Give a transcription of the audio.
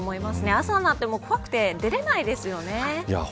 朝なんて怖くて出られないですよね。